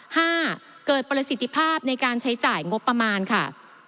ห้าเกิดประสิทธิภาพในการใช้จ่ายงบประมาณค่ะ